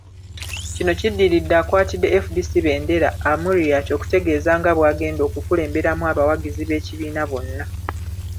Kino kiddiridde akwatidde FDC bbendera, Amuriat okutegeeza nga bw'agenda okukulemberamu abawagizi b'ekibiina bonna